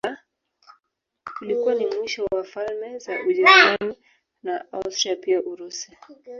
Ulikuwa ni mwisho wa falme za Ujerumani na Austria pia Urusi